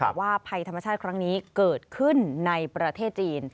ว่าภัยธรรมชาติครั้งนี้เกิดขึ้นในประเทศจีน